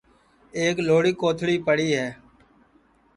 ایک لھوڑی کوتھݪی پڑی ہے